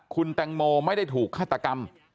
คุณแตงโมไม่ได้ถูกฆาตกรรม